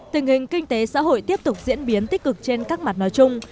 tình hình kinh tế xã hội tiếp tục diễn biến tích cực trên các mặt nói chung